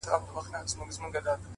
هره هیله د حرکت غوښتنه کوي